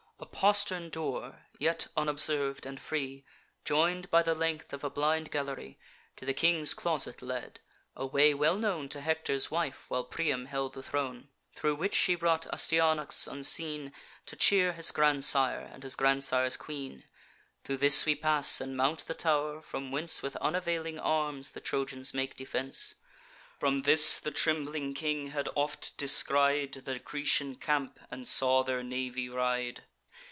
"A postern door, yet unobserv'd and free, Join'd by the length of a blind gallery, To the king's closet led: a way well known To Hector's wife, while Priam held the throne, Thro' which she brought Astyanax, unseen, To cheer his grandsire and his grandsire's queen. Thro' this we pass, and mount the tow'r, from whence With unavailing arms the Trojans make defence. From this the trembling king had oft descried The Grecian camp, and saw their navy ride.